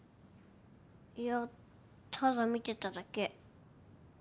いやただ見てただけ。